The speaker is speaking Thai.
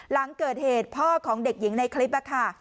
หลังเกิดเหตุพ่อของเด็กหญิงในคลิปค่ะ